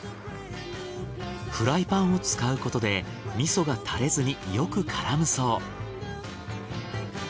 フライパンを使うことで味噌が垂れずによく絡むそう。